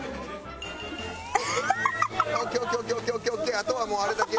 あとはもうあれだけや。